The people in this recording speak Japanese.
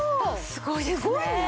すごいですね。